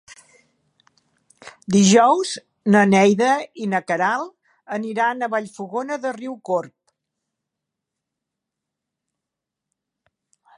Dijous na Neida i na Queralt aniran a Vallfogona de Riucorb.